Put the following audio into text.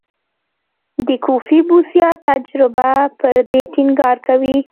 د کوفي بوسیا تجربه پر دې ټینګار کوي.